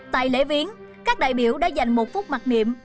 tại lễ viếng các đại biểu đã dành một phút mặc niệm